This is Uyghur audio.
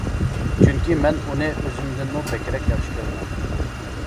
چۈنكى مەن ئۇنى ئۆزۈمدىنمۇ بەكرەك ياخشى كۆرىمەن.